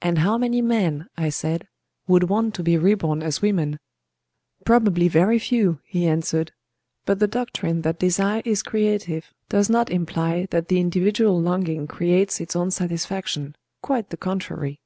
"And how many men," I said, "would want to be reborn as women?" "Probably very few," he answered. "But the doctrine that desire is creative does not imply that the individual longing creates its own satisfaction,—quite the contrary.